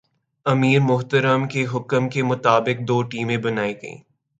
امیر محترم کے حکم کے مطابق دو ٹیمیں بنائی گئیں ۔